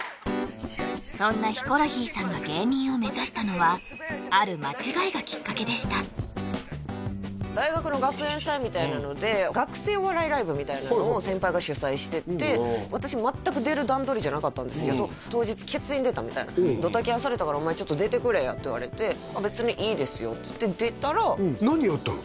そんなヒコロヒーさんが大学の学園祭みたいなのでみたいなのを先輩が主催してて私全く出る段取りじゃなかったんですけど当日欠員出たみたいな「ドタキャンされたからお前ちょっと出てくれや」って言われて「あっ別にいいですよ」って言って出たらうん何やったの？